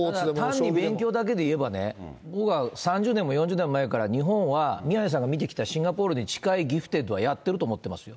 単に勉強だけでいうとね、僕は、３０年も４０年も前から、日本は宮根さんが見てきたシンガポールに近いギフテッドはやってると思ってますよ。